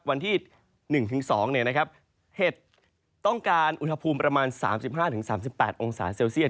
วันที่๑๒เนี่ยนะครับเห็ดต้องการอุทธภูมิประมาณ๓๕๓๘องศาเซลเซลเซียต